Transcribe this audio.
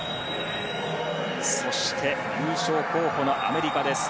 そして優勝候補のアメリカです。